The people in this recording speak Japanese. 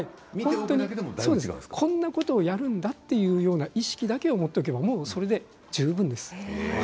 こんなことをやるんだっていう意識だけを持っておけばそれで十分です。